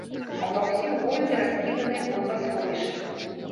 А па ўсім горадзе раскіданыя бомбасховішчы.